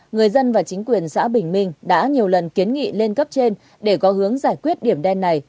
người dân và chính quyền xã bình minh đã nhiều lần kiến nghị lên cấp trên để có hướng giải quyết điểm đen này